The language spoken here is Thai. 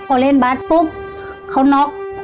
พอเล่นบาสปุ๊บเขาน็อก